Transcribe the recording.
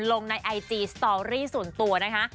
ลงในไอจีสตอรี่ส่วนตัวนะคะ